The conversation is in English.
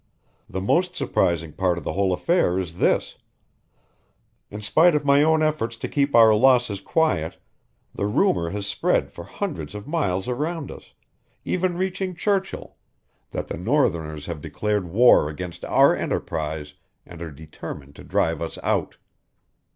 The most surprising part of the whole affair is this: in spite of my own efforts to keep our losses quiet the rumor has spread for hundreds of miles around us, even reaching Churchill, that the northerners have declared war against our enterprise and are determined to drive us out.